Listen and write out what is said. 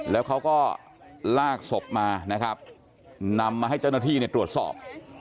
แล้วเขาก็ลากศพมานะครับนำมาให้เจ้าหน้าที่ตรวจสอบ